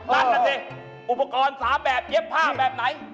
นั่นน่ะสิอุปกรณ์๓แบบเย็บผ้าแบบไหน